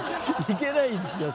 いけないですよ